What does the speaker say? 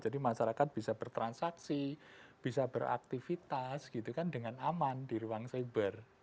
masyarakat bisa bertransaksi bisa beraktivitas gitu kan dengan aman di ruang cyber